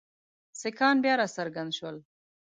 سیکهان بیا را څرګند شول.